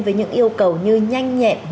với những yêu cầu như nhanh nhẹn